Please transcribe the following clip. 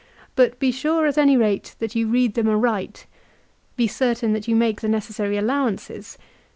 But be sure at any rate that you read them aright. Be certain that you make the necessary allowances.